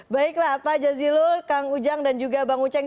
baiklah pak jazilul kang ujang dan juga bang uceng